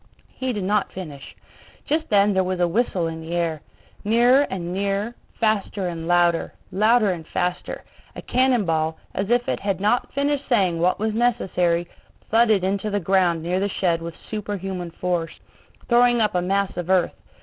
He did not finish. Just then there was a whistle in the air; nearer and nearer, faster and louder, louder and faster, a cannon ball, as if it had not finished saying what was necessary, thudded into the ground near the shed with super human force, throwing up a mass of earth.